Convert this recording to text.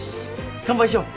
乾杯しよう。